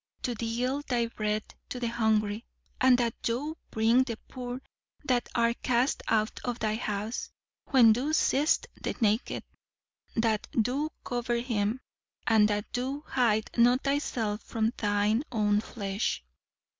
To deal thy bread to the hungry, and that thou bring the poor that are cast out to thy house; when thou seest the naked, that thou cover him; and that thou hide not thyself from thine own flesh'....."